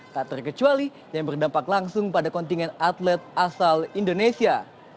tak terkecuali yang berdampak langsung pada kontingen atlet asal indonesia